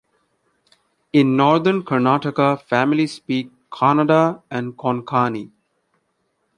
In Northern Karnataka families speak Kannada and Konkani.